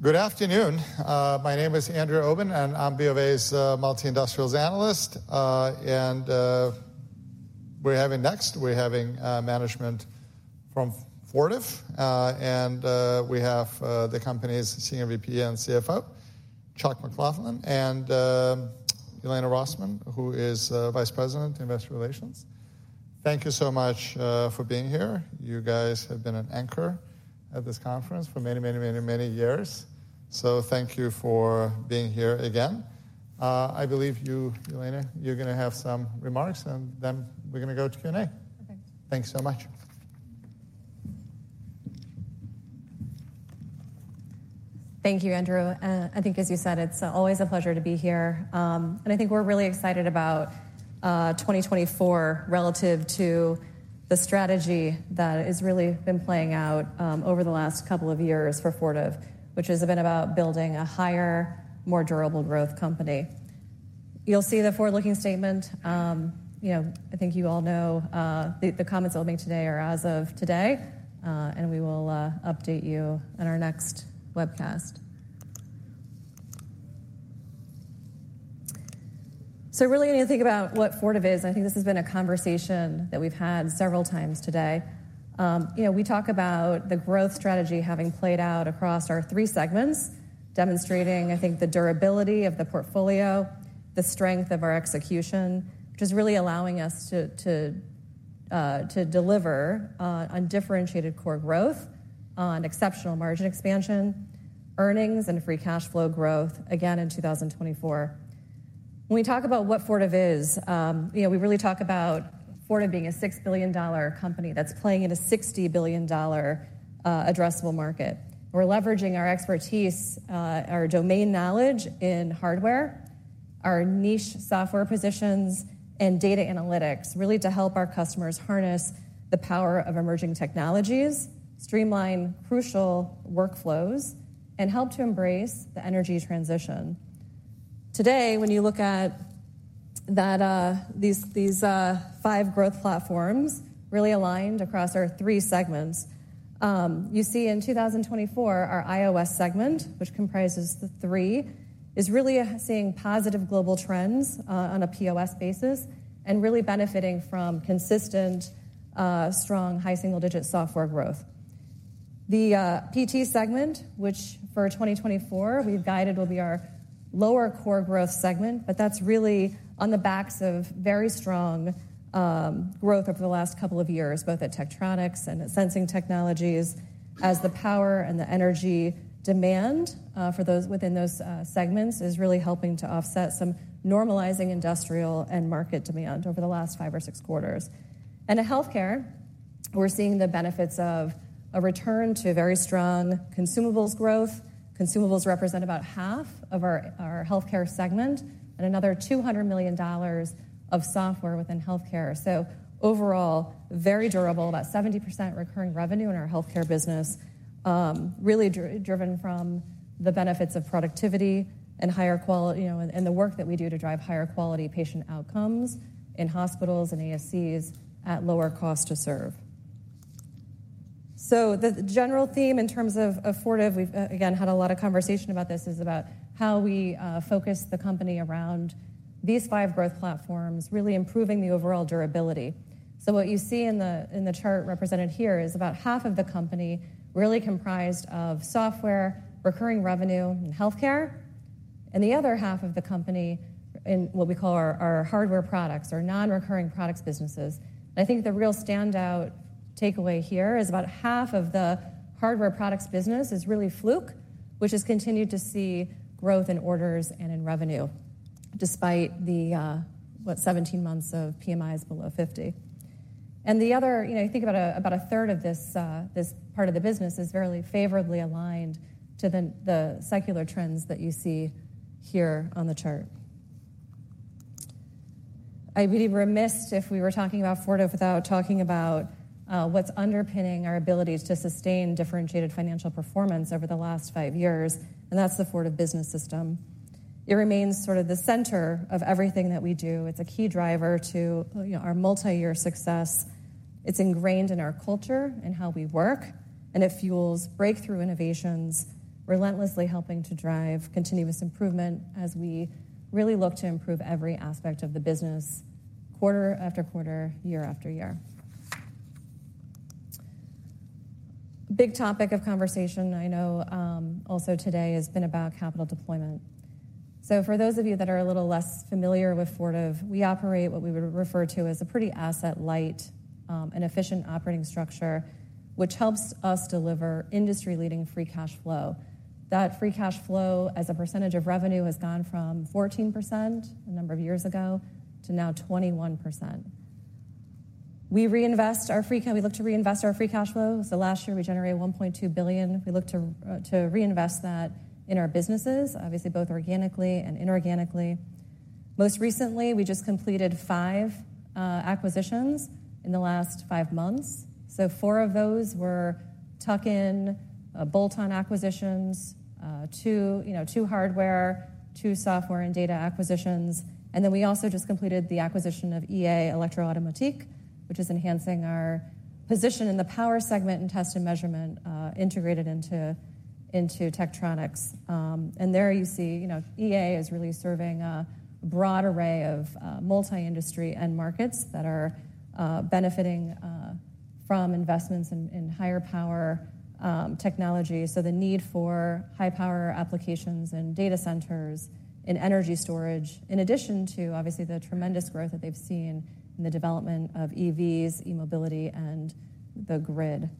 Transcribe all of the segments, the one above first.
Good afternoon. My name is Andrew Obin, and I'm BofA's multi-industry analyst. What are we having next? We're having management from Fortive, and we have the company's Senior Vice President and CFO, Chuck McLaughlin, and Elena Rosman, who is Vice President, Investor Relations. Thank you so much for being here. You guys have been an anchor at this conference for many, many, many, many years. So thank you for being here again. I believe you, Elena, you're gonna have some remarks, and then we're gonna go to Q&A. Perfect. Thanks so much. Thank you, Andrew. I think as you said, it's always a pleasure to be here. I think we're really excited about 2024 relative to the strategy that has really been playing out over the last couple of years for Fortive, which has been about building a higher, more durable growth company. You'll see the forward-looking statement. You know, I think you all know, the comments I'll make today are as of today, and we will update you in our next webcast. So really, when you think about what Fortive is, I think this has been a conversation that we've had several times today. You know, we talk about the growth strategy having played out across our three segments, demonstrating, I think, the durability of the portfolio, the strength of our execution, which is really allowing us to, to, to deliver, on differentiated core growth, on exceptional margin expansion, earnings, and free cash flow growth, again, in 2024. When we talk about what Fortive is, you know, we really talk about Fortive being a $6 billion company that's playing in a $60 billion, addressable market. We're leveraging our expertise, our domain knowledge in hardware, our niche software positions, and data analytics, really to help our customers harness the power of emerging technologies, streamline crucial workflows, and help to embrace the energy transition. Today, when you look at that, these five growth platforms really aligned across our three segments, you see in 2024, our IOS segment, which comprises the three, is really seeing positive global trends, on a POS basis, and really benefiting from consistent, strong, high single-digit software growth. The PT segment, which for 2024 we've guided will be our lower core growth segment, but that's really on the backs of very strong growth over the last couple of years, both at Tektronix and at Sensing Technologies, as the power and the energy demand for those within those segments is really helping to offset some normalizing industrial and market demand over the last five or six quarters. In healthcare, we're seeing the benefits of a return to very strong consumables growth. Consumables represent about half of our healthcare segment and another $200 million of software within healthcare. So overall, very durable, about 70% recurring revenue in our healthcare business, really driven from the benefits of productivity and higher quality, you know, and the work that we do to drive higher quality patient outcomes in hospitals and ASCs at lower cost to serve. So the general theme in terms of Fortive, we've, again, had a lot of conversation about this, is about how we, focus the company around these five growth platforms, really improving the overall durability. So what you see in the chart represented here is about half of the company really comprised of software, recurring revenue, and healthcare, and the other half of the company in what we call our hardware products, our non-recurring products businesses. I think the real standout takeaway here is about half of the hardware products business is really Fluke, which has continued to see growth in orders and in revenue, despite the, what, 17 months of PMIs below 50. The other, you know, you think about about a third of this part of the business is fairly favorably aligned to the secular trends that you see here on the chart. I'd be remiss if we were talking about Fortive without talking about, what's underpinning our ability to sustain differentiated financial performance over the last five years, and that's the Fortive Business System. It remains sort of the center of everything that we do. It's a key driver to, you know, our multi-year success. It's ingrained in our culture and how we work, and it fuels breakthrough innovations, relentlessly helping to drive continuous improvement as we really look to improve every aspect of the business quarter after quarter, year after year. Big topic of conversation, I know, also today has been about capital deployment. So for those of you that are a little less familiar with Fortive, we operate what we would refer to as a pretty asset-light and efficient operating structure, which helps us deliver industry-leading free cash flow. That free cash flow, as a percentage of revenue, has gone from 14% a number of years ago to now 21%. We reinvest our free cash flow. We look to reinvest our free cash flow. So last year, we generated $1.2 billion. We look to reinvest that in our businesses, obviously both organically and inorganically. Most recently, we just completed five acquisitions in the last five months. So four of those were tuck-in, bolt-on acquisitions, two, you know, two hardware, two software and data acquisitions. And then we also just completed the acquisition of EA Elektro-Automatik, which is enhancing our position in the power segment and test and measurement, integrated into, into Tektronix. And there you see, you know, EA is really serving a broad array of multi-industry and markets that are, benefiting, from investments in higher power, technology. So the need for high power applications in data centers, in energy storage, in addition to, obviously, the tremendous growth that they've seen in the development of EVs, e-mobility, and the grid.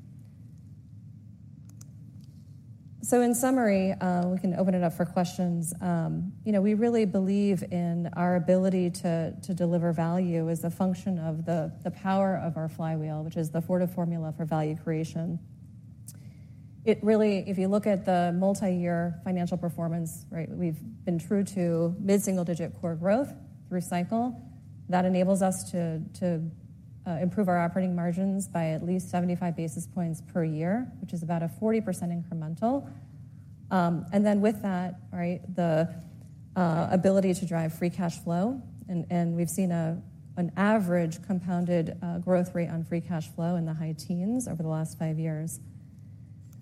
So in summary, we can open it up for questions. You know, we really believe in our ability to deliver value as a function of the power of our flywheel, which is the Fortive formula for value creation. It really, if you look at the multi-year financial performance, right, we've been true to mid-single-digit core growth through cycle. That enables us to improve our operating margins by at least 75 basis points per year, which is about a 40% incremental. And then with that, right, the ability to drive free cash flow. And we've seen an average compounded growth rate on free cash flow in the high teens over the last five years.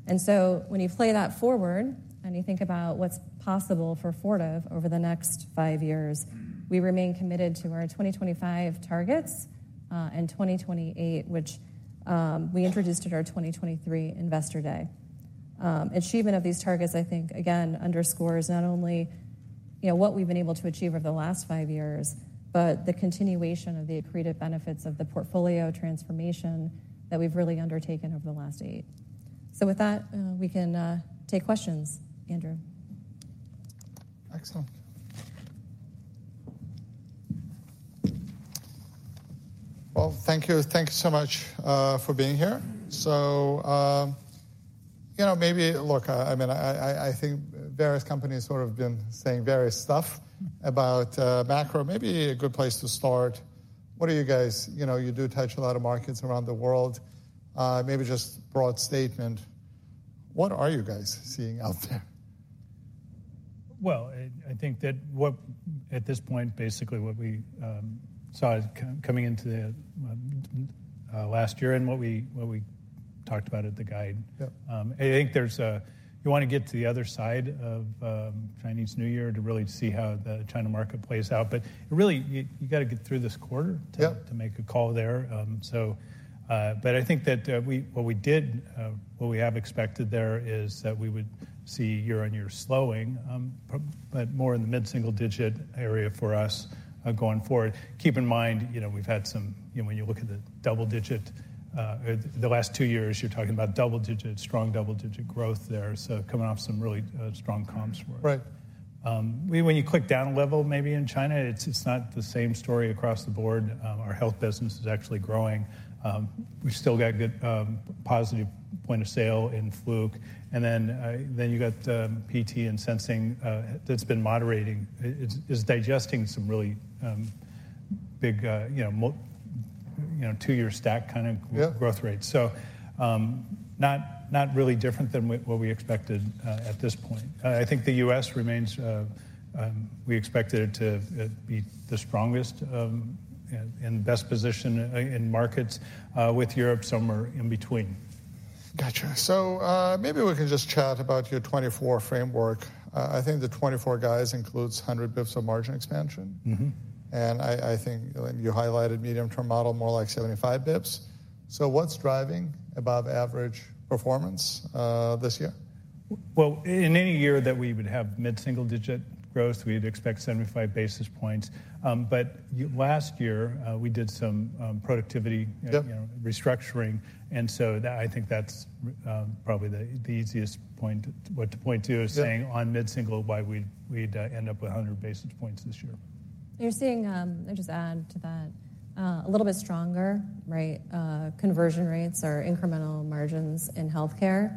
And so when you play that forward and you think about what's possible for Fortive over the next five years, we remain committed to our 2025 targets and 2028, which we introduced at our 2023 Investor Day. Achievement of these targets, I think, again, underscores not only what we've been able to achieve over the last five years, but the continuation of the accretive benefits of the portfolio transformation that we've really undertaken over the last eight. So with that, we can take questions, Andrew. Excellent. Well, thank you. Thank you so much for being here. So, you know, maybe, look, I mean, I think various companies sort of have been saying various stuff about macro. Maybe a good place to start. What are you guys? You know, you do touch a lot of markets around the world. Maybe just broad statement. What are you guys seeing out there? Well, I think that what, at this point, basically what we saw coming into the last year and what we talked about at the guide, I think there's, you want to get to the other side of Chinese New Year to really see how the China market plays out. But really, you got to get through this quarter to make a call there. But I think that what we did, what we have expected there is that we would see year-on-year slowing, but more in the mid-single-digit area for us going forward. Keep in mind, you know, we've had some, you know, when you look at the double-digit, the last two years, you're talking about double-digit, strong double-digit growth there. So coming off some really strong comps for us. When you click down a level, maybe in China, it's not the same story across the board. Our health business is actually growing. We've still got a good positive point of sale in Fluke. And then you got PT and Sensing that's been moderating, is digesting some really big, you know, two-year stack kind of growth rates. So not really different than what we expected at this point. I think the U.S. remains, we expected it to be the strongest in the best position in markets with Europe, somewhere in between. Gotcha. So maybe we can just chat about your 2024 framework. I think the 2024 guidance includes 100 basis points of margin expansion. And I think you highlighted medium-term model more like 75 basis points. So what's driving above-average performance this year? Well, in any year that we would have mid-single-digit growth, we'd expect 75 basis points. But last year, we did some productivity restructuring. And so I think that's probably the easiest point. What to point to is saying on mid-single why we'd end up with 100 basis points this year. You're seeing, I'll just add to that, a little bit stronger, right, conversion rates or incremental margins in healthcare.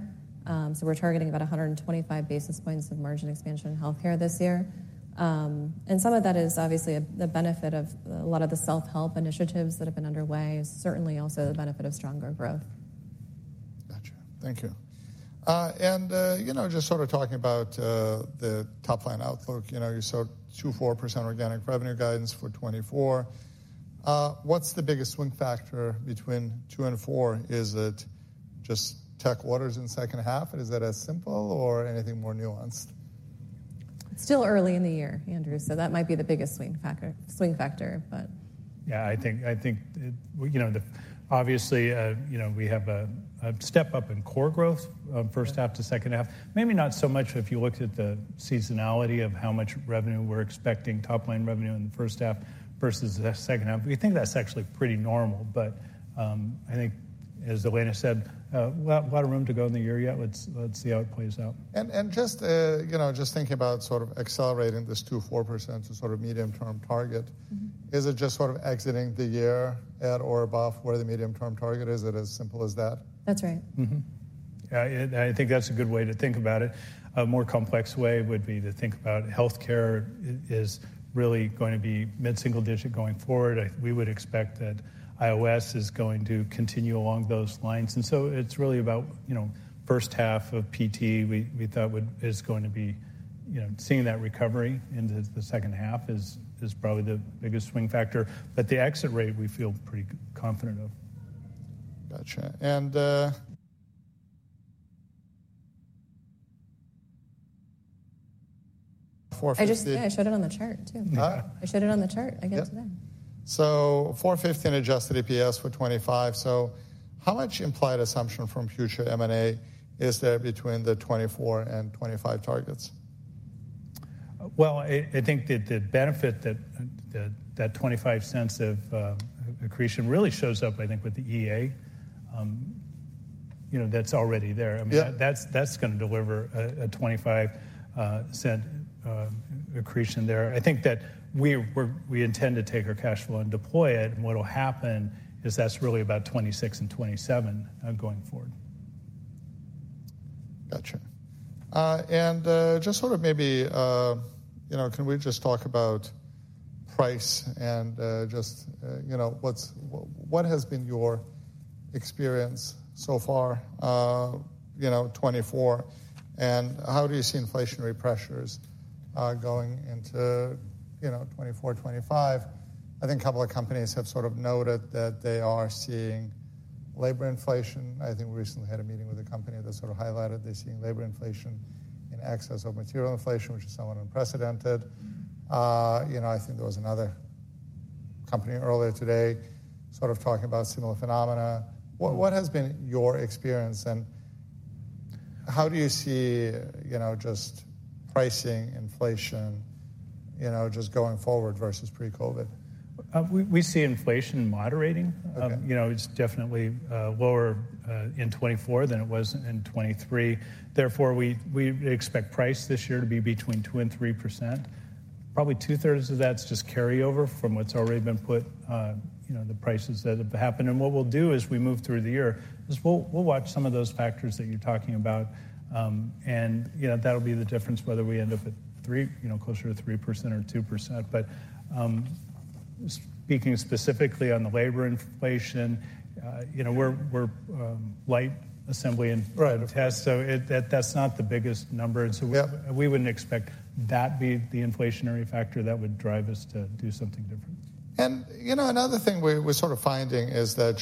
So we're targeting about 125 basis points of margin expansion in healthcare this year. And some of that is obviously the benefit of a lot of the self-help initiatives that have been underway, certainly also the benefit of stronger growth. Gotcha. Thank you. And, you know, just sort of talking about the top-line outlook, you know, you saw 2%-4% organic revenue guidance for 2024. What's the biggest swing factor between two and four? Is it just Tech waters in the second half? Is that as simple or anything more nuanced? It's still early in the year, Andrew. So that might be the biggest swing factor, but. Yeah, I think, you know, obviously, you know, we have a step up in core growth first half to second half. Maybe not so much if you looked at the seasonality of how much revenue we're expecting, top-line revenue in the first half versus the second half. We think that's actually pretty normal. But I think, as Elena said, a lot of room to go in the year yet. Let's see how it plays out. Just, you know, just thinking about sort of accelerating this 2%-4% to sort of medium-term target, is it just sort of exiting the year at or above where the medium-term target is? Is it as simple as that? That's right. Yeah, I think that's a good way to think about it. A more complex way would be to think about healthcare is really going to be mid-single digit going forward. We would expect that IOS is going to continue along those lines. And so it's really about, you know, first half of PT we thought is going to be, you know, seeing that recovery into the second half is probably the biggest swing factor. But the exit rate we feel pretty confident of. Gotcha. And. I just showed it on the chart, too. I showed it on the chart again today. So $4.15 adjusted EPS with 2025. So how much implied assumption from future M&A is there between the 2024 and 2025 targets? Well, I think that the benefit that that $0.25 of accretion really shows up, I think, with the EA, you know, that's already there. I mean, that's going to deliver a $0.25 accretion there. I think that we intend to take our cash flow and deploy it. And what will happen is that's really about 2026 and 2027 going forward. Gotcha. And just sort of maybe, you know, can we just talk about price and just, you know, what has been your experience so far, you know, 2024? And how do you see inflationary pressures going into, you know, 2024, 2025? I think a couple of companies have sort of noted that they are seeing labor inflation. I think we recently had a meeting with a company that sort of highlighted they're seeing labor inflation in excess of material inflation, which is somewhat unprecedented. You know, I think there was another company earlier today sort of talking about similar phenomena. What has been your experience? And how do you see, you know, just pricing inflation, you know, just going forward versus pre-COVID? We see inflation moderating. You know, it's definitely lower in 2024 than it was in 2023. Therefore, we expect price this year to be between 2%-3%. Probably two-thirds of that's just carryover from what's already been put, you know, the prices that have happened. And what we'll do is we move through the year. We'll watch some of those factors that you're talking about. And, you know, that'll be the difference whether we end up at 3, you know, closer to 3% or 2%. But speaking specifically on the labor inflation, you know, we're light assembly and test, so that's not the biggest number. And so we wouldn't expect that be the inflationary factor that would drive us to do something different. You know, another thing we're sort of finding is that,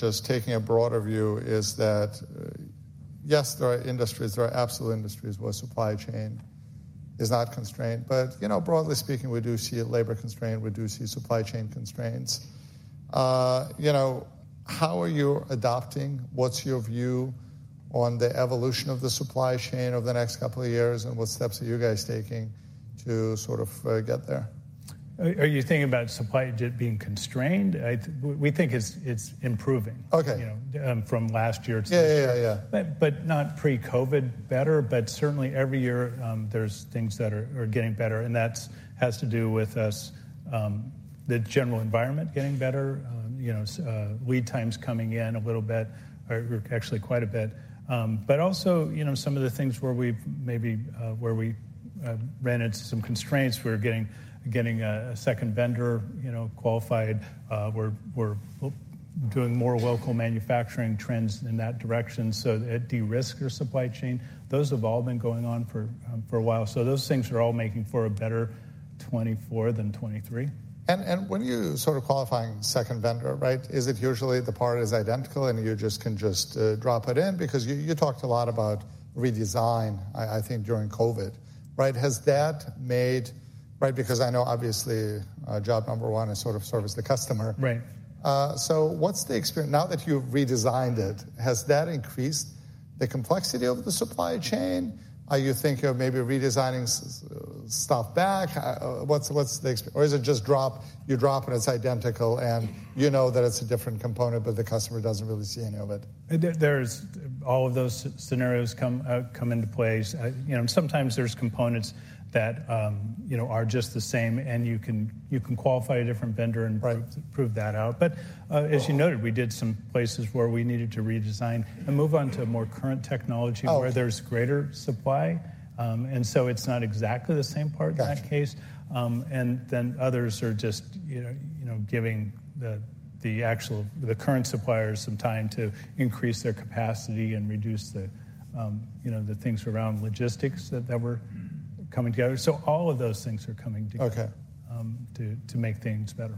yes, there are industries, there are absolute industries where supply chain is not constrained. But, you know, broadly speaking, we do see labor constraint. We do see supply chain constraints. You know, how are you adopting? What's your view on the evolution of the supply chain over the next couple of years and what steps are you guys taking to sort of get there? Are you thinking about supply chain being constrained? We think it's improving, you know, from last year to this year. But not pre-COVID better, but certainly every year there's things that are getting better. And that has to do with us, the general environment getting better, you know, lead times coming in a little bit, actually quite a bit. But also, you know, some of the things where we've maybe ran into some constraints, we're getting a second vendor, you know, qualified. We're doing more local manufacturing trends in that direction so that de-risk your supply chain. Those have all been going on for a while. So those things are all making for a better 2024 than 2023. When you sort of qualifying second vendor, right, is it usually the part is identical and you just can just drop it in? Because you talked a lot about redesign, I think, during COVID, right? Has that made, right, because I know obviously job number one is sort of service the customer. So what's the experience now that you've redesigned it? Has that increased the complexity of the supply chain? Are you thinking of maybe redesigning stuff back? What's the experience? Or is it just drop, you drop and it's identical and you know that it's a different component, but the customer doesn't really see any of it? There's all of those scenarios come into place. You know, sometimes there's components that, you know, are just the same and you can qualify a different vendor and prove that out. But as you noted, we did some places where we needed to redesign and move on to more current technology where there's greater supply. And so it's not exactly the same part in that case. And then others are just, you know, giving the actual current suppliers some time to increase their capacity and reduce the, you know, the things around logistics that were coming together. So all of those things are coming together to make things better.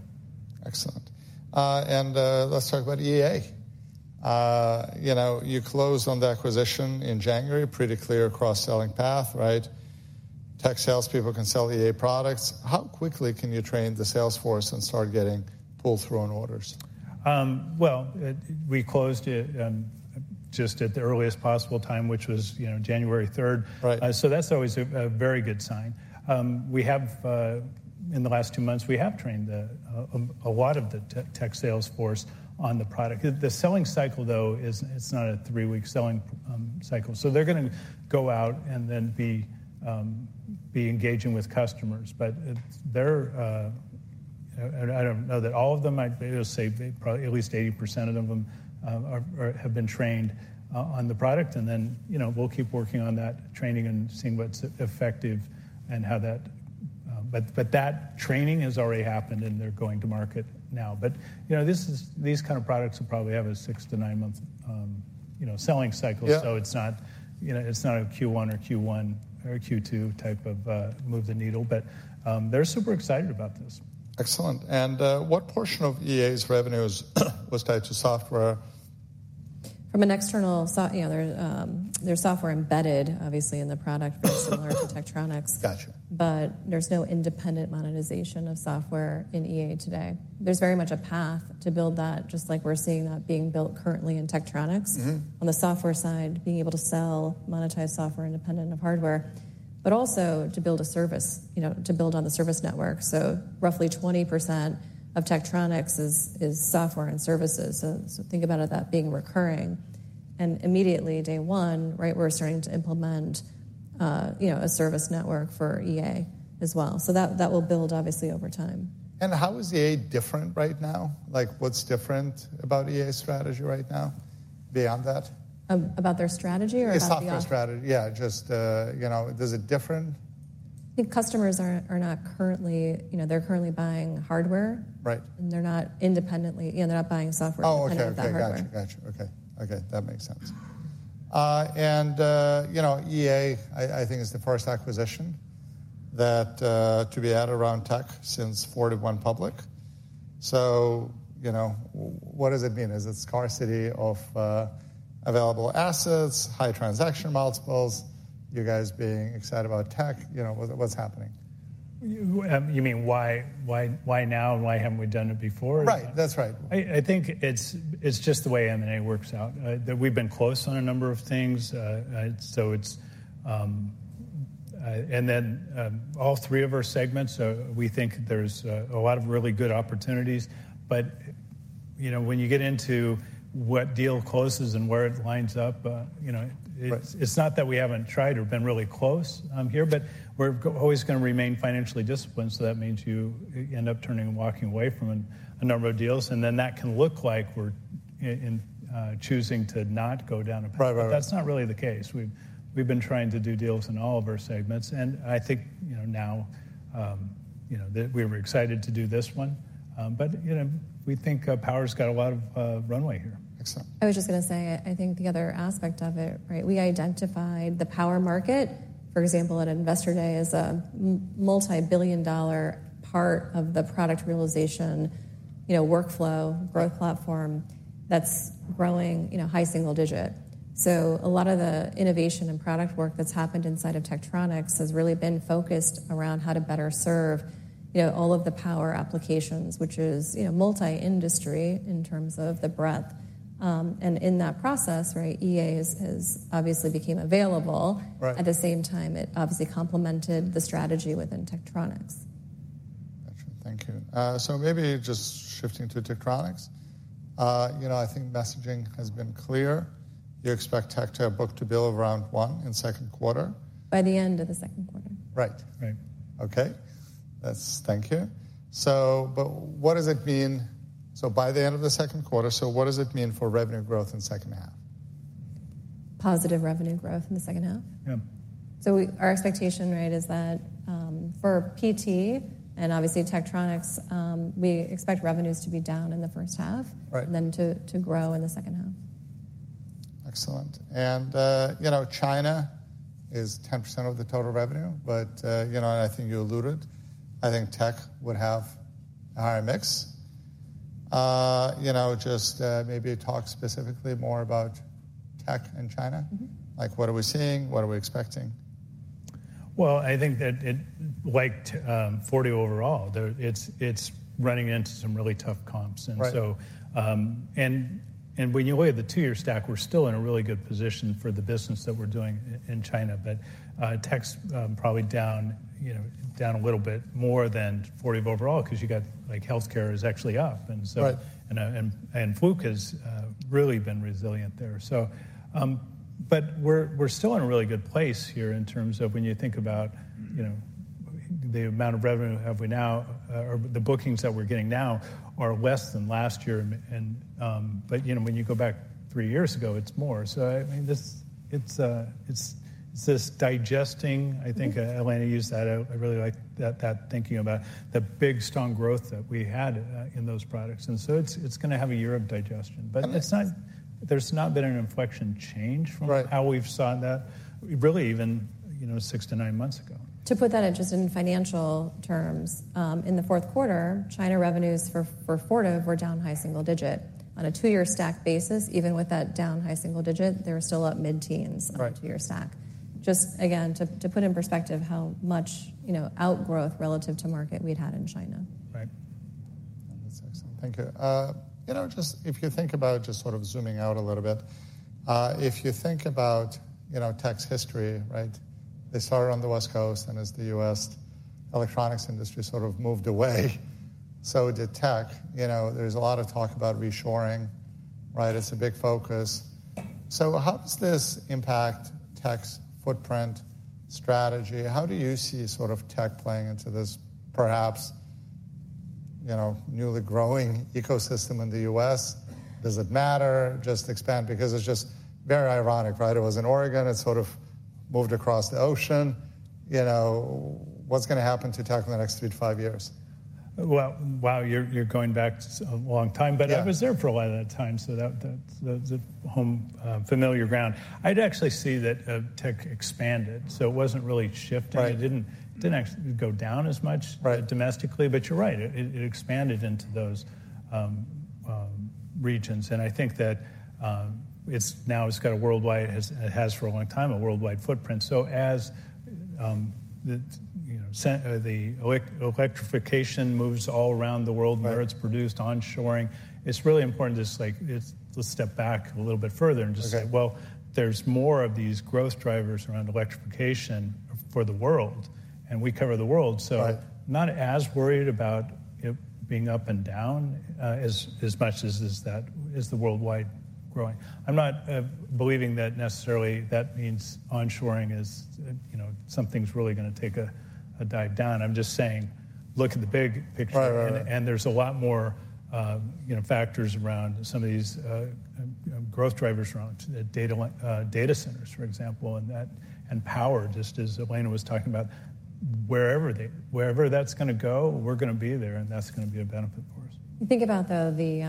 Excellent. Let's talk about EA. You know, you closed on the acquisition in January, pretty clear cross-selling path, right? Tech salespeople can sell EA products. How quickly can you train the salesforce and start getting pull-through on orders? Well, we closed it just at the earliest possible time, which was, you know, January 3rd. So that's always a very good sign. We have, in the last two months, we have trained a lot of the tech salesforce on the product. The selling cycle, though, is it's not a three-week selling cycle. So they're going to go out and then be engaging with customers. But they're, I don't know that all of them might, I'll say probably at least 80% of them have been trained on the product. And then, you know, we'll keep working on that training and seeing what's effective and how that, but that training has already happened and they're going to market now. But, you know, these kind of products will probably have a six- to nine-month, you know, selling cycle. It's not, you know, it's not a Q1 or Q2 type of move the needle. But they're super excited about this. Excellent. And what portion of EA's revenue was tied to software? From an external, you know, there's software embedded, obviously, in the product, very similar to Tektronix. But there's no independent monetization of software in EA today. There's very much a path to build that, just like we're seeing that being built currently in Tektronix on the software side, being able to sell, monetize software independent of hardware, but also to build a service, you know, to build on the service network. So roughly 20% of Tektronix is software and services. So think about it that being recurring. And immediately day one, right, we're starting to implement, you know, a service network for EA as well. So that will build, obviously, over time. How is EA different right now? Like, what's different about EA's strategy right now beyond that? About their strategy or about the software? The software strategy. Yeah. Just, you know, does it differ? I think customers are not currently, you know, they're currently buying hardware. They're not independently, you know, they're not buying software independent of the hardware. Oh, okay. Gotcha. Gotcha. Okay. Okay. That makes sense. And, you know, EA, I think, is the first acquisition to be at around 4x Tech since Fortive public. So, you know, what does it mean? Is it scarcity of available assets, high transaction multiples? You guys being excited about tech, you know, what's happening? You mean why now and why haven't we done it before? Right. That's right. I think it's just the way M&A works out. We've been close on a number of things. So it's, and then all three of our segments, we think there's a lot of really good opportunities. But, you know, when you get into what deal closes and where it lines up, you know, it's not that we haven't tried or been really close here, but we're always going to remain financially disciplined. So that means you end up turning and walking away from a number of deals. And then that can look like we're choosing to not go down a path. But that's not really the case. We've been trying to do deals in all of our segments. And I think, you know, now, you know, we were excited to do this one. But, you know, we think Power's got a lot of runway here. Excellent. I was just going to say, I think the other aspect of it, right, we identified the Power market, for example, at Investor Day, as a multi-billion dollar part of the product realization, you know, workflow, growth platform that's growing, you know, high single digit. So a lot of the innovation and product work that's happened inside of Tektronix has really been focused around how to better serve, you know, all of the Power applications, which is, you know, multi-industry in terms of the breadth. And in that process, right, EA has obviously become available. At the same time, it obviously complemented the strategy within Tektronix. Gotcha. Thank you. So maybe just shifting to Tektronix. You know, I think messaging has been clear. You expect tech to have book-to-bill around 1 in second quarter. By the end of the second quarter. Right. Right. Okay. Thank you. So, but what does it mean? So by the end of the second quarter, so what does it mean for revenue growth in second half? Positive revenue growth in the second half? Yeah. Our expectation, right, is that for PT and obviously Tektronix, we expect revenues to be down in the first half and then to grow in the second half. Excellent. And, you know, China is 10% of the total revenue, but, you know, and I think you alluded, I think tech would have a higher mix. You know, just maybe talk specifically more about tech and China. Like, what are we seeing? What are we expecting? Well, I think that it, like 40% overall, it's running into some really tough comps. And so, and when you look at the two-year stack, we're still in a really good position for the business that we're doing in China, but Tech's probably down, you know, down a little bit more than 40% overall because you got, like, healthcare is actually up. And so, and Fluke has really been resilient there. So, but we're still in a really good place here in terms of when you think about, you know, the amount of revenue have we now, or the bookings that we're getting now are less than last year. And, but, you know, when you go back three years ago, it's more. So, I mean, it's this digesting, I think Elena used that out. I really like that thinking about the big, strong growth that we had in those products. It's going to have a year of digestion. But it's not, there's not been an inflection change from how we've saw that, really even, you know, 6-9 months ago. To put that interest in financial terms, in the fourth quarter, China revenues for Fortive were down high single digit. On a two-year stack basis, even with that down high single digit, they were still up mid-teens on a two-year stack. Just again, to put in perspective how much, you know, outgrowth relative to market we'd had in China. Right. That's excellent. Thank you. You know, just if you think about just sort of zooming out a little bit, if you think about, you know, tech's history, right, they started on the West Coast and as the U.S. electronics industry sort of moved away, so did tech. You know, there's a lot of talk about reshoring, right? It's a big focus. So how does this impact tech's footprint strategy? How do you see sort of tech playing into this perhaps, you know, newly growing ecosystem in the U.S.? Does it matter just to expand? Because it's just very ironic, right? It was in Oregon. It sort of moved across the ocean. You know, what's going to happen to tech in the next three to five years? Well, wow, you're going back a long time, but I was there for a while at that time. So that's the home familiar ground. I'd actually see that tech expanded. So it wasn't really shifting. It didn't actually go down as much domestically, but you're right. It expanded into those regions. And I think that it's now, it's got a worldwide, it has for a long time a worldwide footprint. So as the electrification moves all around the world where it's produced, onshoring, it's really important to just, like, let's step back a little bit further and just say, well, there's more of these growth drivers around electrification for the world and we cover the world. So not as worried about it being up and down as much as the worldwide growing. I'm not believing that necessarily that means onshoring is, you know, something's really going to take a dive down. I'm just saying, look at the big picture and there's a lot more, you know, factors around some of these growth drivers around data centers, for example, and that, and power just as Elena was talking about, wherever that's going to go, we're going to be there and that's going to be a benefit for us. You think about, though, the,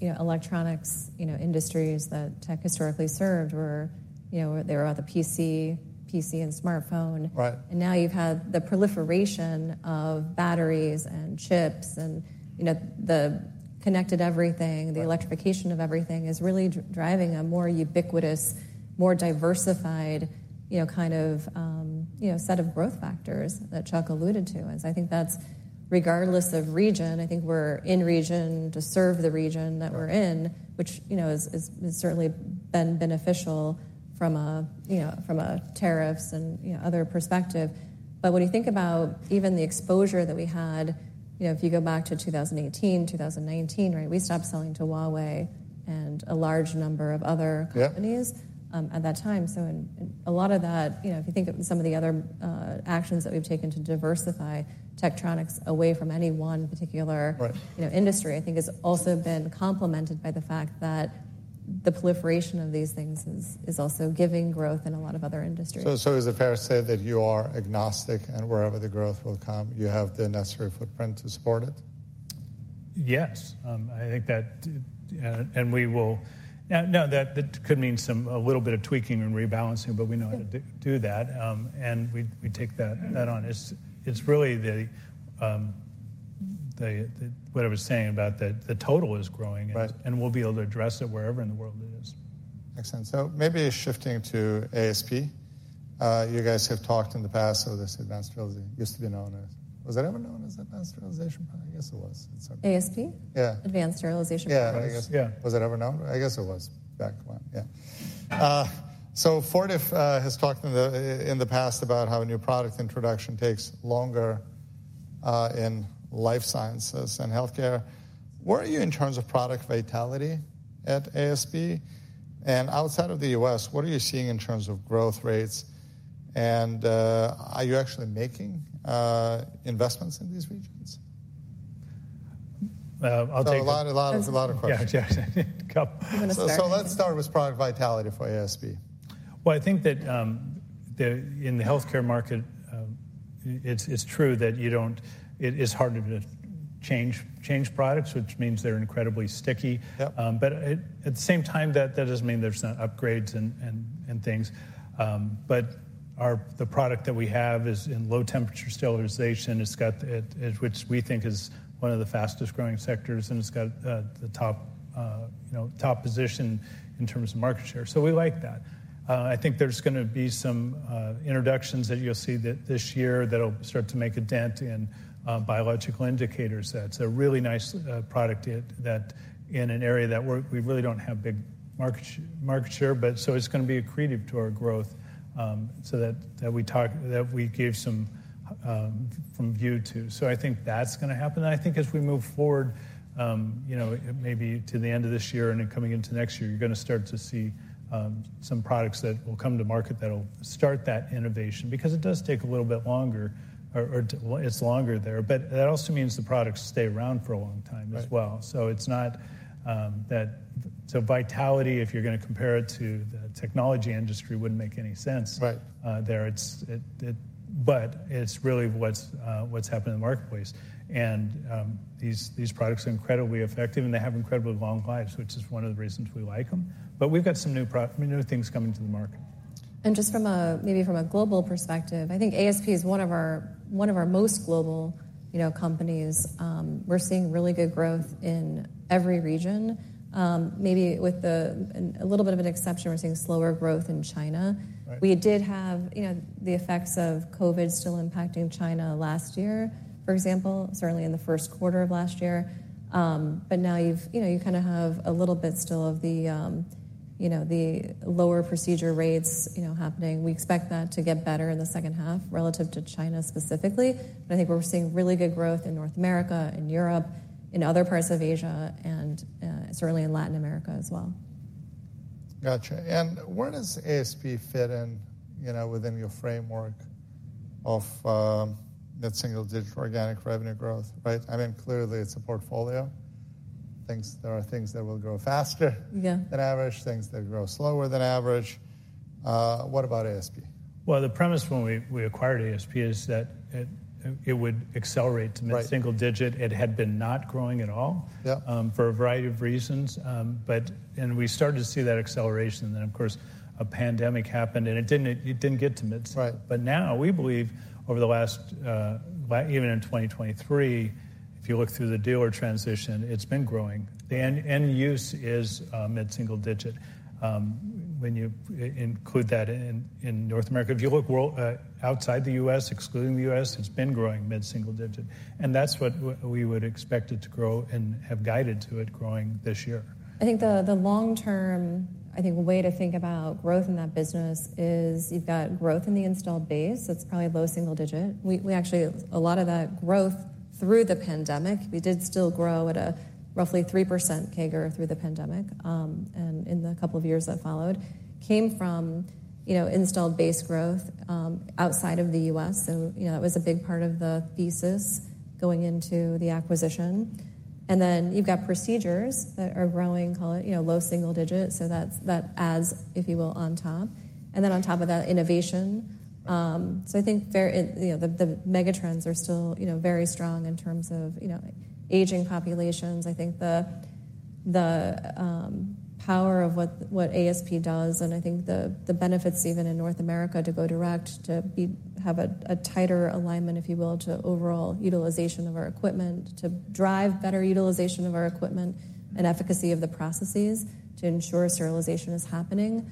you know, electronics, you know, industries that tech historically served were, you know, they were about the PC, PC and smartphone. And now you've had the proliferation of batteries and chips and, you know, the connected everything, the electrification of everything is really driving a more ubiquitous, more diversified, you know, kind of, you know, set of growth factors that Chuck alluded to. And so I think that's regardless of region, I think we're in region to serve the region that we're in, which, you know, has certainly been beneficial from a, you know, from a tariffs and, you know, other perspective. But when you think about even the exposure that we had, you know, if you go back to 2018, 2019, right, we stopped selling to Huawei and a large number of other companies at that time. So a lot of that, you know, if you think of some of the other actions that we've taken to diversify Tektronix away from any one particular, you know, industry, I think has also been complemented by the fact that the proliferation of these things is also giving growth in a lot of other industries. So is it fair to say that you are agnostic and wherever the growth will come, you have the necessary footprint to support it? Yes. I think that, and we will. Now that could mean some a little bit of tweaking and rebalancing, but we know how to do that. And we take that on. It's really the what I was saying about the total is growing and we'll be able to address it wherever in the world it is. Excellent. So maybe shifting to ASP. You guys have talked in the past of this advanced sterilization, used to be known as, was that ever known as advanced sterilization? I guess it was. ASP? Yeah. Advanced Sterilization Products. Yeah. Was it ever known? I guess it was back when. Yeah. So Fortive has talked in the past about how a new product introduction takes longer in life sciences and healthcare. Where are you in terms of product vitality at ASP? And outside of the U.S., what are you seeing in terms of growth rates? And are you actually making investments in these regions? I'll take a lot of questions. Yeah. Yeah. Let's start with product vitality for ASP. Well, I think that in the healthcare market, it's true that you don't, it is harder to change products, which means they're incredibly sticky. But at the same time, that doesn't mean there's not upgrades and things. But the product that we have is in low-temperature sterilization. It's got, which we think is one of the fastest growing sectors and it's got the top, you know, top position in terms of market share. So we like that. I think there's going to be some introductions that you'll see this year that'll start to make a dent in biological indicators. A really nice product that in an area that we really don't have big market share, but so it's going to be accretive to our growth so that we talk, that we give some forward view to. So I think that's going to happen. I think as we move forward, you know, maybe to the end of this year and then coming into next year, you're going to start to see some products that will come to market that'll start that innovation because it does take a little bit longer or it's longer there. But that also means the products stay around for a long time as well. So it's not that, so vitality, if you're going to compare it to the technology industry, wouldn't make any sense there. But it's really what's happened in the marketplace. These products are incredibly effective and they have incredibly long lives, which is one of the reasons we like them. But we've got some new things coming to the market. Just from a, maybe from a global perspective, I think ASP is one of our most global, you know, companies. We're seeing really good growth in every region. Maybe with a little bit of an exception, we're seeing slower growth in China. We did have, you know, the effects of COVID still impacting China last year, for example, certainly in the first quarter of last year. But now you've, you know, you kind of have a little bit still of the, you know, the lower procedure rates, you know, happening. We expect that to get better in the second half relative to China specifically. But I think we're seeing really good growth in North America, in Europe, in other parts of Asia, and certainly in Latin America as well. Gotcha. Where does ASP fit in, you know, within your framework of that single digit organic revenue growth, right? I mean, clearly it's a portfolio. There are things that will grow faster than average, things that grow slower than average. What about ASP? Well, the premise when we acquired ASP is that it would accelerate to mid-single digit. It had been not growing at all for a variety of reasons. But, and we started to see that acceleration. And then, of course, a pandemic happened and it didn't, it didn't get to mid-single. But now we believe over the last, even in 2023, if you look through the dealer transition, it's been growing. The end use is mid-single digit. When you include that in North America, if you look outside the U.S., excluding the U.S., it's been growing mid-single digit. And that's what we would expect it to grow and have guided to it growing this year. I think the long-term, I think the way to think about growth in that business is you've got growth in the installed base. That's probably low single digit. We actually, a lot of that growth through the pandemic, we did still grow at a roughly 3% CAGR through the pandemic and in the couple of years that followed came from, you know, installed base growth outside of the U.S. So, you know, that was a big part of the thesis going into the acquisition. And then you've got procedures that are growing, call it, you know, low single digit. So that adds, if you will, on top. And then on top of that, innovation. So I think, you know, the mega trends are still, you know, very strong in terms of, you know, aging populations. I think the power of what ASP does and I think the benefits even in North America to go direct, to have a tighter alignment, if you will, to overall utilization of our equipment, to drive better utilization of our equipment and efficacy of the processes to ensure sterilization is happening.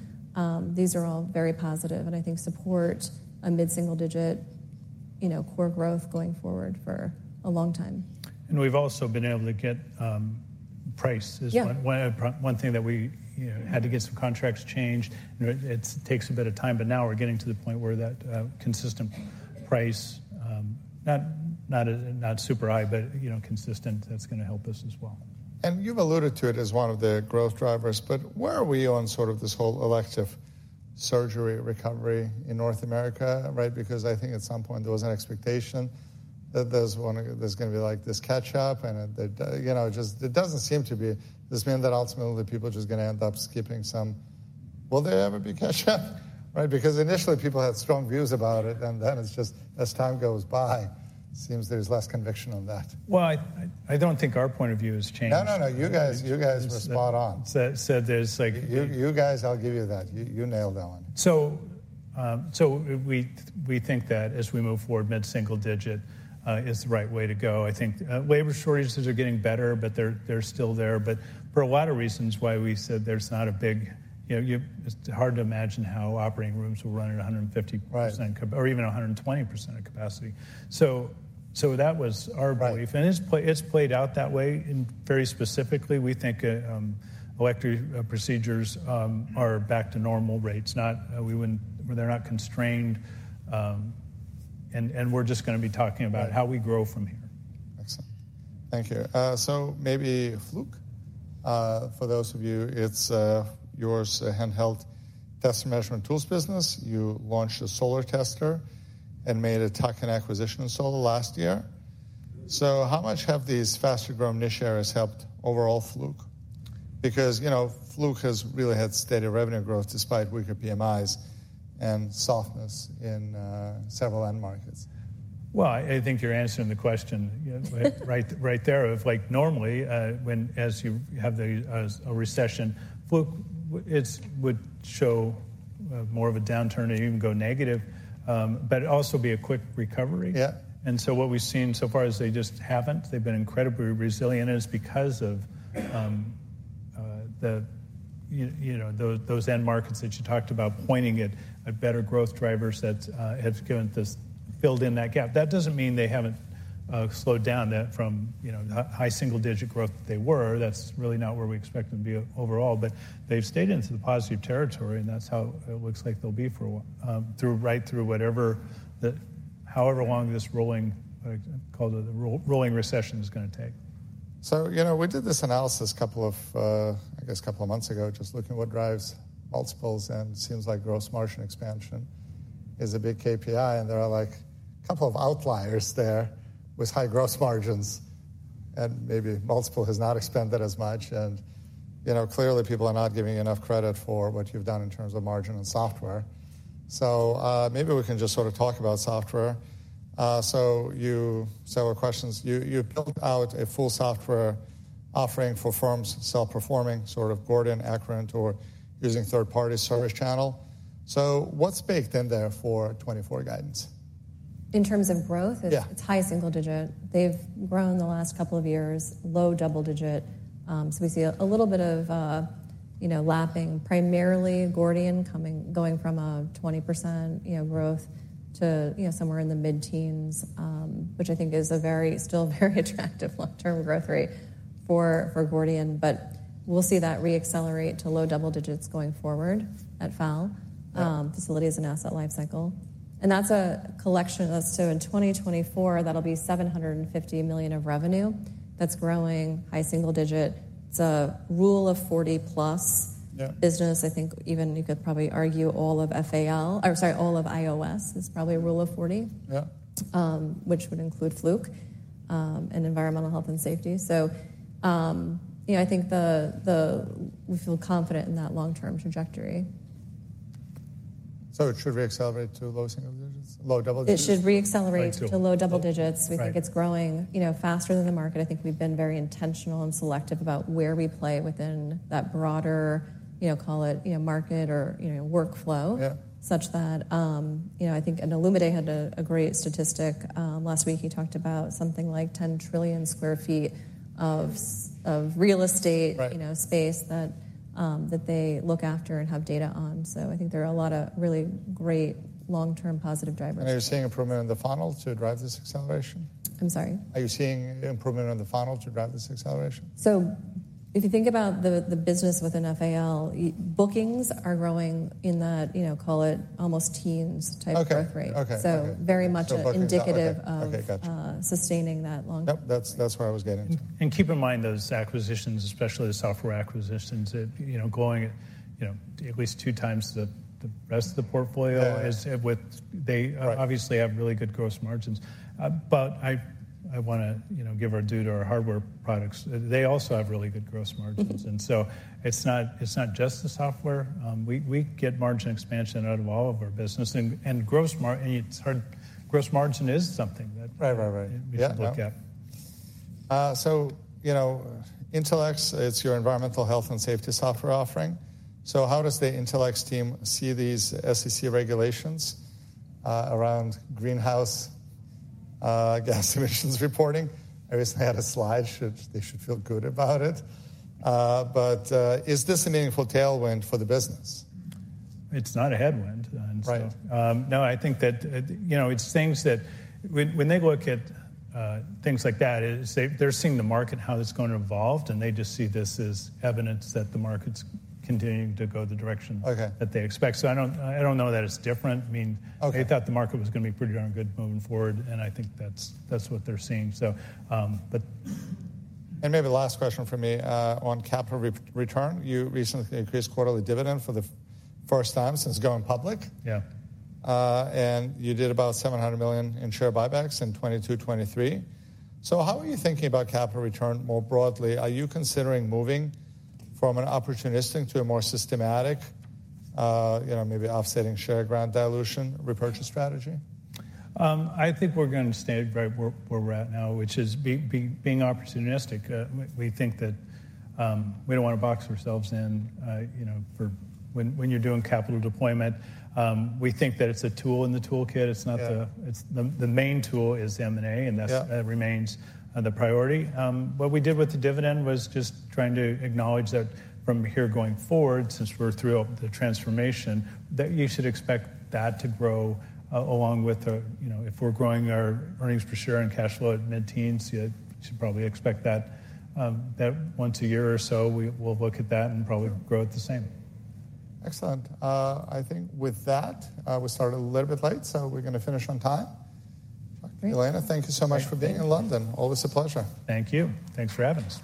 These are all very positive and I think support a mid-single digit, you know, core growth going forward for a long time. We've also been able to get price. Is one thing that we, you know, had to get some contracts changed. It takes a bit of time, but now we're getting to the point where that consistent price, not super high, but, you know, consistent, that's going to help us as well. And you've alluded to it as one of the growth drivers, but where are we on sort of this whole elective surgery recovery in North America, right? Because I think at some point there was an expectation that there's going to be like this catch-up and that, you know, it just, it doesn't seem to be. Does this mean that ultimately people are just going to end up skipping some? Will there ever be catch-up, right? Because initially people had strong views about it and then it's just, as time goes by, it seems there's less conviction on that. Well, I don't think our point of view has changed. No, no, no. You guys were spot on. Said there's like. You guys, I'll give you that. You nailed that one. So we think that as we move forward, mid-single digit is the right way to go. I think labor shortages are getting better, but they're still there. But for a lot of reasons why we said there's not a big, you know, it's hard to imagine how operating rooms will run at 150% or even 120% of capacity. So that was our belief and it's played out that way. And very specifically, we think elective procedures are back to normal rates. We wouldn't, they're not constrained. And we're just going to be talking about how we grow from here. Excellent. Thank you. So maybe Fluke, for those of you, it's your handheld tester measurement tools business. You launched a solar tester and made a tuck-in acquisition in solar last year. So how much have these faster growing niche areas helped overall Fluke? Because, you know, Fluke has really had steady revenue growth despite weaker PMIs and softness in several end markets. Well, I think you're answering the question right there of like normally when, as you have a recession, Fluke would show more of a downturn or even go negative, but it'd also be a quick recovery. And so what we've seen so far is they just haven't. They've been incredibly resilient and it's because of the, you know, those end markets that you talked about pointing at better growth drivers that have given this, filled in that gap. That doesn't mean they haven't slowed down from, you know, high single digit growth that they were. That's really not where we expect them to be overall, but they've stayed into the positive territory and that's how it looks like they'll be for a while, through, right through whatever, however long this rolling, called a rolling recession is going to take. So, you know, we did this analysis a couple of, I guess a couple of months ago, just looking at what drives multiples and it seems like gross margin expansion is a big KPI and there are like a couple of outliers there with high gross margins and maybe multiple has not expanded as much. And, you know, clearly people are not giving enough credit for what you've done in terms of margin and software. So maybe we can just sort of talk about software. So you said what questions, you built out a full software offering for firms self-performing, sort of Gordian, Accruent, or using third-party ServiceChannel. So what's baked in there for 2024 guidance? In terms of growth, it's high single digit. They've grown the last couple of years, low double digit. So we see a little bit of, you know, lapping primarily Gordian, going from a 20% growth to somewhere in the mid-teens, which I think is a very, still very attractive long-term growth rate for Gordian. But we'll see that reaccelerate to low double digits going forward at FAL, Facility and Asset Lifecycle. And that's a collection that's so in 2024, that'll be $750 million of revenue. That's growing high single digit. It's a Rule of 40 plus business. I think even you could probably argue all of FAL, or sorry, all of IOS is probably a Rule of 40, which would include Fluke and environmental health and safety. So, you know, I think the, we feel confident in that long-term trajectory. It should reaccelerate to low single digits, low double digits? It should reaccelerate to low double digits. We think it's growing, you know, faster than the market. I think we've been very intentional and selective about where we play within that broader, you know, call it, you know, market or workflow such that, you know, I think Olumide had a great statistic last week. He talked about something like 10 trillion sq ft of real estate, you know, space that they look after and have data on. So I think there are a lot of really great long-term positive drivers. Are you seeing improvement in the funnel to drive this acceleration? I'm sorry? Are you seeing improvement in the funnel to drive this acceleration? So if you think about the business within FAL, bookings are growing in that, you know, call it almost teens type growth rate. So very much an indicative of sustaining that long-term. Yep. That's where I was getting to. Keep in mind those acquisitions, especially the software acquisitions, you know, growing, you know, at least two times the rest of the portfolio is with. They obviously have really good gross margins. But I want to, you know, give our due to our hardware products. They also have really good gross margins. And so it's not just the software. We get margin expansion out of all of our business and gross, and it's hard. Gross margin is something that we should look at. Right, right, right. So, you know, Intelex, it's your environmental health and safety software offering. So how does the Intelex team see these SEC regulations around greenhouse gas emissions reporting? I recently had a slide. They should feel good about it. But is this a meaningful tailwind for the business? It's not a headwind. So no, I think that, you know, it's things that when they look at things like that, they're seeing the market, how it's going to evolve, and they just see this as evidence that the market's continuing to go the direction that they expect. So I don't know that it's different. I mean, they thought the market was going to be pretty darn good moving forward and I think that's what they're seeing. So, but. Maybe last question for me on capital return. Yeah. You did about $700 million in share buybacks in 2022, 2023. How are you thinking about capital return more broadly? Are you considering moving from an opportunistic to a more systematic, you know, maybe offsetting share grant dilution, repurchase strategy? I think we're going to stay right where we're at now, which is being opportunistic. We think that we don't want to box ourselves in, you know, for when you're doing capital deployment, we think that it's a tool in the toolkit. It's not the main tool is M&A and that remains the priority. What we did with the dividend was just trying to acknowledge that from here going forward, since we're through the transformation, that you should expect that to grow along with, you know, if we're growing our earnings per share and cash flow at mid-teens, you should probably expect that once a year or so, we'll look at that and probably grow it the same. Excellent. I think with that, we started a little bit late. So we're going to finish on time. Elena, thank you so much for being in London. Always a pleasure. Thank you. Thanks for having us.